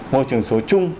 môi trường số chung